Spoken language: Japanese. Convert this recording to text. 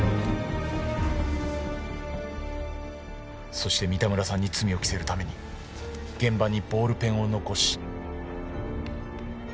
そして三田村さんに罪を着せるために現場にボールペンを残し。